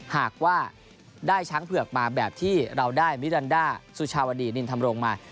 หากว่าได้ช้างเผือกมาแบบที่เราได้มิรันดาสุชาวดีนินธรรมรงมา